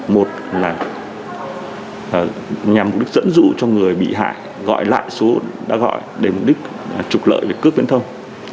một là nhằm mục đích dẫn dụ cho người bị hại gọi lại số đã gọi để mục đích trục lợi về cướp viễn thông